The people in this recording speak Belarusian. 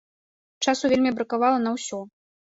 Часу вельмі бракавала на ўсё.